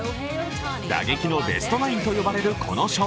打撃のベストナインと呼ばれるこの賞。